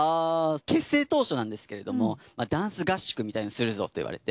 結成当初なんですけれどもダンス合宿みたいのするぞって言われて。